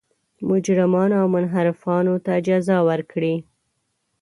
مجرمانو او منحرفانو ته جزا ورکړي.